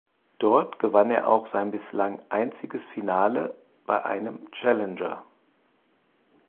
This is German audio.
Dort gewann er auch sein bislang einziges Finale bei einem Challenger.